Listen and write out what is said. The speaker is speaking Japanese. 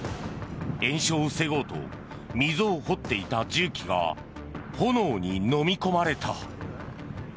延焼を防ごうと溝を掘っていた重機が炎にのみ込まれた。